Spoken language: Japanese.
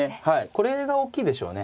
これが大きいでしょうね。